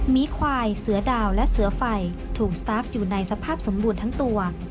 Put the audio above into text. มีควายเสือดาวและเสือไฟถูกสตาร์ฟอยู่ในสภาพสมบูรณ์ทั้งตัว